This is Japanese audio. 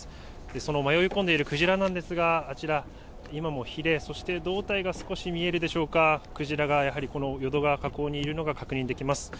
その迷い込んでいるクジラなんですが、あちら、今もひれ、胴体が少し見えるでしょうか、クジラがやはりこの淀川河口にいるのが確認できます。